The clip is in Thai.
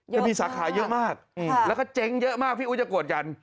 จะมีสาขาเยอะมากแล้วก็เจ๊งเยอะมากพี่อุ๊ยจะโกรธกัน